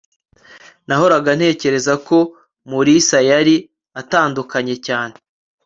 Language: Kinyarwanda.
nahoraga ntekereza ko mulisa yari atandukanye cyane